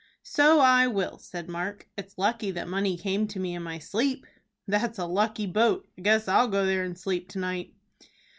"So I will," said Mark. "It's lucky that money came to me in my sleep." "That's a lucky boat. I guess I'll go there and sleep to night."